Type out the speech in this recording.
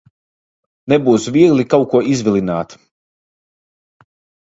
Nebūs viegli kaut ko izvilināt.